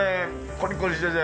コリコリしてて。